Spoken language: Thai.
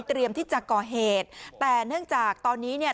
ที่จะก่อเหตุแต่เนื่องจากตอนนี้เนี่ย